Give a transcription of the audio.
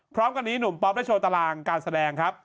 พร้อมกันนี้หนุ่มป๊อปได้โชว์ตารางการแสดงครับ